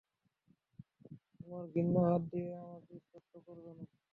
তোমার ঘৃণ্য হাত দিয়ে আমাকে স্পর্শ করবে না।